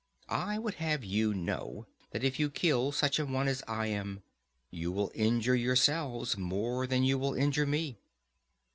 I would have you know, that if you kill such an one as I am, you will injure yourselves more than you will injure me.